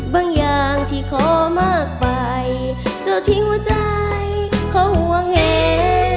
บางอย่างที่ขอมากไปเจ้าทิ้งหัวใจเขาห่วงแห